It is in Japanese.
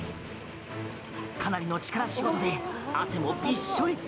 かなりの力仕事で汗もびっしょり！